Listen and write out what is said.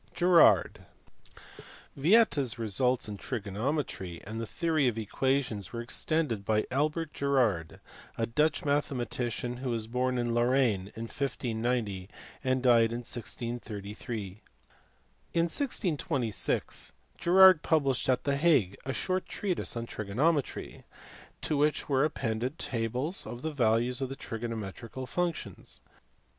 Girard. Yieta s results in trigonometry and the theory of equations were extended by Albert Girard, a Dutch mathe matician, who was born in Lorraine in 1590 and died in 1633. In 1626 Girard published at the Hague a short treatise on trigonometry, to which were appended tables of the values of the trigonometrical functions.